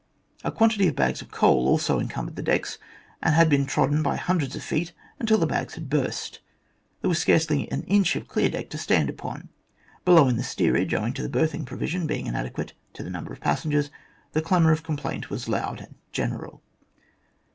A quantity of bags of coal also encumbered the decks, and had been trodden by hundreds of feet until the bags had burst. There was scarcely an inch of clear deck to stand upon. Below in the steerage, owing to the berthing provision being inadequate to the number of passengers, the clamour of complaint was loud and general.